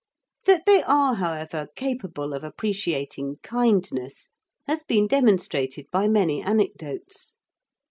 That they are, however, capable of appreciating kindness has been demonstrated by many anecdotes.